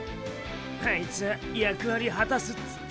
あいつは役割果たすっつった。